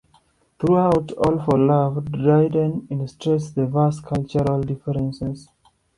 Throughout "All for love," Dryden illustrates the vast cultural differences.